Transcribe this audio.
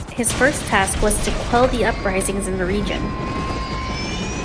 His first task was to quell the uprisings in the region.